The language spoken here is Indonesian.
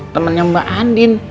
temennya mbak andien